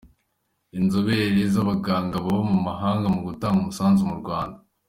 Inzobere z’Abaganga baba mu mahanga mu gutanga umusanzu mu Rwanda